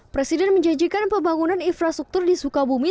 presiden menjanjikan pembangunan infrastruktur di sukabumi